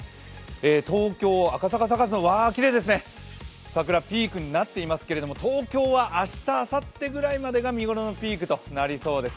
東京、赤坂サカスの桜ピークになっていますけれども、東京は明日、あさってぐらいが見頃のピークとなりそうです。